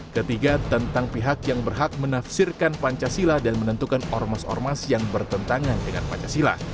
ketiga tentang pihak yang berhak menafsirkan pancasila dan menentukan ormas ormas yang bertentangan dengan pancasila